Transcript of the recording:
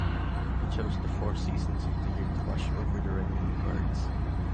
He chose the four seasons of the year to watch over the remaining birds.